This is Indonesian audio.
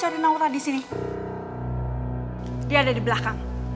dia ada di belakang